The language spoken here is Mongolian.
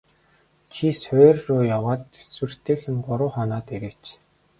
Чи суурь руу яваад тэсвэртэйхэн гурав хоноод ирээч.